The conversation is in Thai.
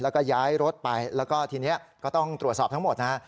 แล้วก็ย้ายรถไปแล้วก็ทีนี้ก็ต้องตรวจสอบทั้งหมดนะฮะ